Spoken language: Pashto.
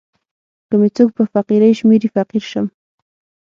که می څوک په فقیری شمېري فقیر سم.